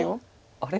あれ？